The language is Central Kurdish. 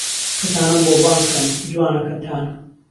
کهتانهم بۆ بانگ کهن، جوانه کهتانه